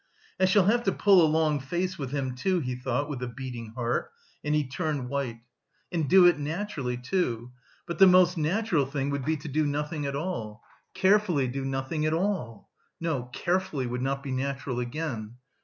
"I shall have to pull a long face with him too," he thought, with a beating heart, and he turned white, "and do it naturally, too. But the most natural thing would be to do nothing at all. Carefully do nothing at all! No, carefully would not be natural again....